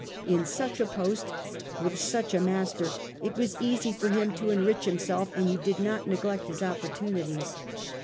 In such a post, with such a master it, was easy for him to enrich himself, and he did not neglect his opportunities.